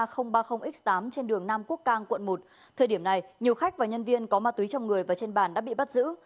trong đường nam quốc cang quận một thời điểm này nhiều khách và nhân viên có ma túy trong người và trên bàn đã bị bắt giữ